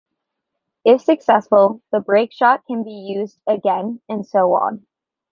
If successful the break shot can be used again and so on.